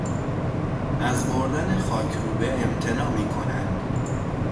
از بردن خاکروبه امتناع میکنند.